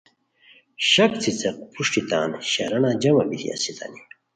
شک څیڅیق پروشٹی تان شرانہ جمع بیتی استانی